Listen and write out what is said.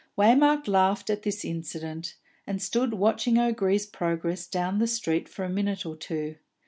Waymark laughed at this incident, and stood watching O'Gree's progress down the street for a minute or two.